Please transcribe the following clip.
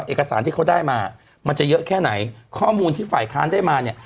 เอกสารที่เขาได้มามันจะเยอะแค่ไหนข้อมูลที่ฝ่ายค้านได้มาเนี่ย